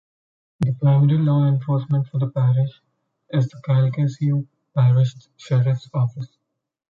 The primary law enforcement for the parish is the Calcasieu Parish Sheriff's Office.